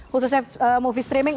khususnya movie streaming